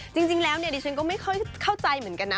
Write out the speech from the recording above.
จริงแล้วเนี่ยดิฉันก็ไม่ค่อยเข้าใจเหมือนกันนะ